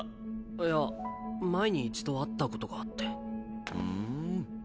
いや前に一度会ったことがあって。ふん。